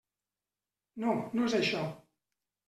No, no és això.